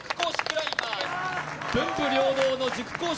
文武両道の塾講師